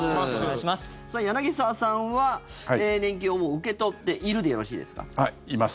柳澤さんは、年金をもう受け取っているではい、います。